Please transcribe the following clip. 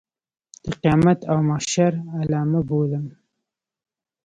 د قیامت او محشر علامه بولم.